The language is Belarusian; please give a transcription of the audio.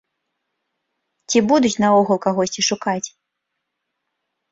Ці будуць наогул кагосьці шукаць?